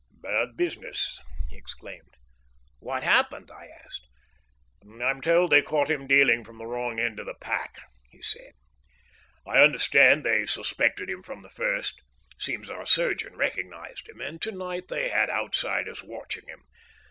"Bad business," he exclaimed. "What happened?" I asked. "I'm told they caught him dealing from the wrong end of the pack," he said. "I understand they suspected him from the first seems our surgeon recognized him and to night they had outsiders watching him.